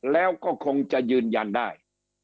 แล้วก็คงจะยืนยันได้